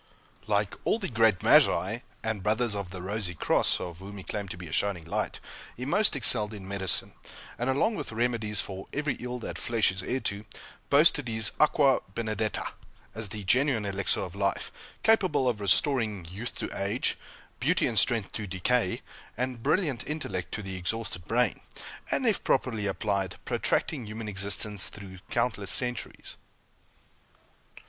Like all the great Magi, and Brothers of the Rosy Cross, of whom he claimed to be a shining light, he most excelled in medicine; and along with remedies for "every ill that flesh is heir to," boasted his "Aqua Benedetta" as the genuine elixir of life, capable of restoring youth to age, beauty and strength to decay, and brilliant intellect to the exhausted brain; and, if properly applied, protracting human existence through countless centuries.